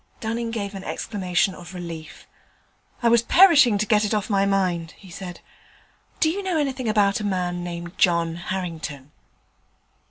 Dunning gave an exclamation of relief. 'I was perishing to get it off my mind,' he said. 'Do you know anything about a man named John Harrington?'